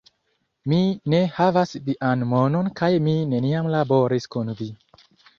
Mi ne havas vian monon kaj mi neniam laboris kun vi!